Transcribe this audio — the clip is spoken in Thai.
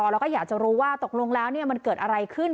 แล้วก็อยากจะรู้ว่าตกลงแล้วมันเกิดอะไรขึ้น